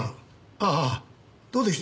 ああどうでした？